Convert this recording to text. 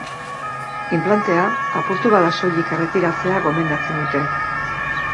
Inplantea, apurtu bada soilik erretiratzea gomendatzen dute.